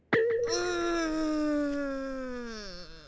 うん。